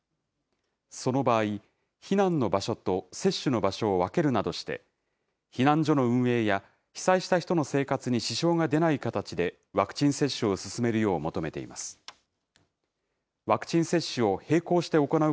その場合、避難の場所と接種の場所を分けるなどして、避難所の運営や、被災した人の生活に支障が出ない形でワクチン接種を進めるよう求めています。